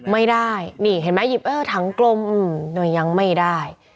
ไม่ได้นี่เห็นไหมหยิบเออถังกลมโดยยังไม่ได้